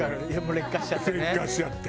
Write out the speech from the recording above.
劣化しちゃって。